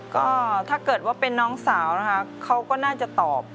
ก็ถ้าเกิดว่าเป็นน้องสาวนะคะเขาก็น่าจะตอบ